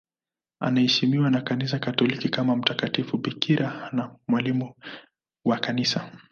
Anaheshimiwa na Kanisa Katoliki kama mtakatifu bikira na mwalimu wa Kanisa.